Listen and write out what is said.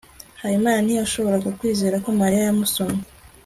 habimana ntiyashoboraga kwizera ko mariya yamusomye